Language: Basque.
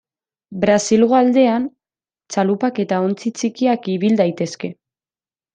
Brasilgo aldean txalupak eta ontzi txikiak ibil daitezke.